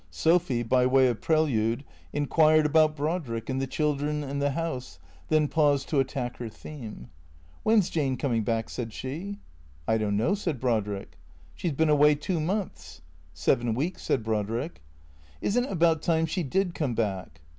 Sophy, by way of prelude, inquired about Brodrick and the children and the house, then paused to attack her theme. " "UTien 's Jane coming back ?" said she. " I don't know," said Brodrick. " She 's been away two months." " Seven weeks," said Brodrick. " Is n't it about time she did come back